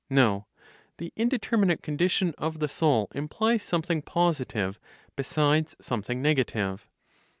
No: the indeterminate condition of the soul implies something positive (besides something negative).